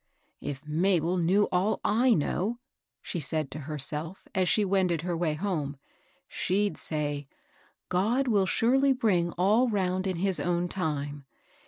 " If Mabel knew all I know," she said to her self, as she wended her way home, " she'd say, * God will surely bring all round in his own time.